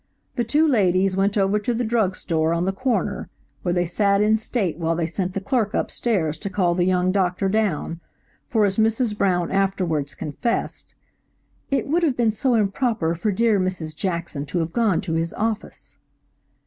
The two ladies went over to the drugstore on the corner, where they sat in state while they sent the clerk up stairs to call the young doctor down, for as Mrs. Brown afterwards confessed, "it would have been so improper for dear Mrs. Jackson to have gone to his office."